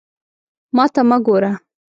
ما ته مه ګوره!